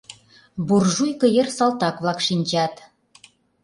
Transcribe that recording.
Буржуйко йыр салтак-влак шинчат.